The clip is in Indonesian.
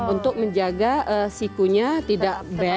untuk menjaga sikunya tidak bent